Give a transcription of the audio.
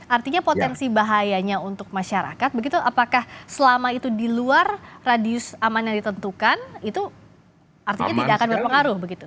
artinya potensi bahayanya untuk masyarakat begitu apakah selama itu di luar radius aman yang ditentukan itu artinya tidak akan berpengaruh begitu